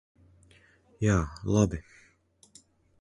Jā, labi.